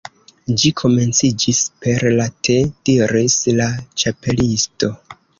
"Ĝi komenciĝis per la Te" diris la Ĉapelisto.